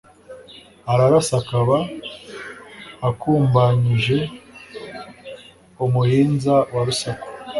Ararasa akaba akumbanyije Umuhinza wa Rusaku,